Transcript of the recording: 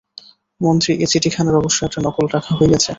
মন্ত্রী এ চিঠিখানার অবশ্য একটা নকল রাখা হইয়াছে।